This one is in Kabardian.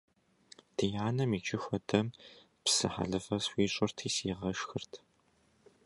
Ди анэм иджы хуэдэм псы хэлывэ схуищӀырти сигъэшхырт.